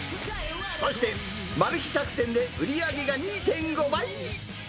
そしてマル秘作戦で売り上げが２．５倍に。